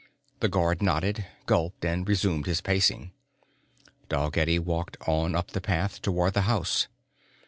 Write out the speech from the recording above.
The guard nodded, gulped and resumed his pacing. Dalgetty walked on up the path toward the house.